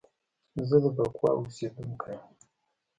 زه د بکواه اوسیدونکی یم